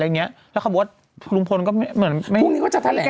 อย่างเงี้ยแล้วเขาบอกว่าลุงพลก็เหมือนพรุ่งนี้ก็จะแถแหลง